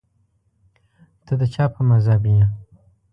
ته د چا په مذهب یې